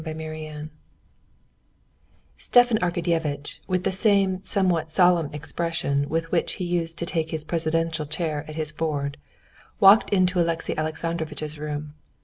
Chapter 22 Stepan Arkadyevitch, with the same somewhat solemn expression with which he used to take his presidential chair at his board, walked into Alexey Alexandrovitch's room.